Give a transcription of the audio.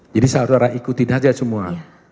jadi saudara ikuti saja semua